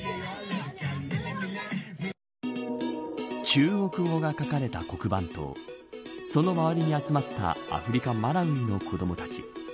中国語が書かれた黒板とその周りに集まったアフリカマラウイの子どもたち。